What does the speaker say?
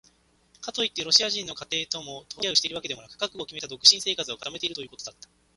かといってロシア人の家庭ともほとんどつき合いをしているわけでもなく、覚悟をきめた独身生活を固めているということだった。